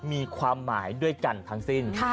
มีความหมายด้วยกันทั้งสิ้น